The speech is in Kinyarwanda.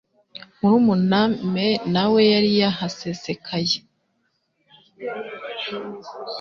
Murumuna me nawe yari yahasesekaye